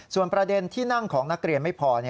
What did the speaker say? ส่วนประเด็นที่นั่งของนักเรียนไม่พอ